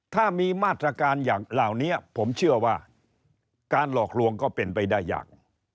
ถ้ามีมาตรการอย่างเหล่านี้ผมเชื่อว่าการหลอกลวงก็เป็นไปได้อย่าง